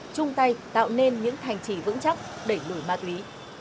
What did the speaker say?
chung tay tạo nên những thành trì vững chắc đẩy lùi ma túy